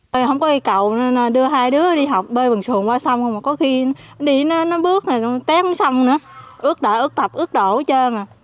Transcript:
không có cây cầu nên đưa hai đứa đi học bơi bằng xuồng qua sông có khi đi nó bước tép sang sông nữa ước đợi ước tập ước đổ hết trơn